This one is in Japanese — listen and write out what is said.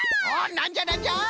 なんじゃなんじゃ？